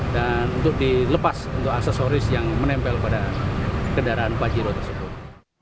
dan untuk dilepas untuk aksesoris yang menempel pada kendaraan pajero tersebut